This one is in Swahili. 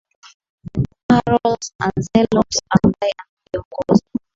carols ancellot ambaye anakiongoza